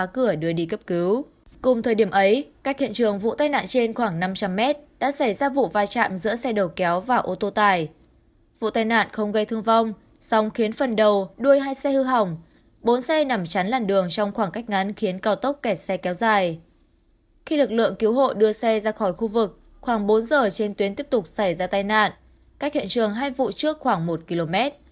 khi lực lượng cứu hộ đưa xe ra khỏi khu vực khoảng bốn giờ trên tuyến tiếp tục xảy ra tai nạn cách hiện trường hai vụ trước khoảng một km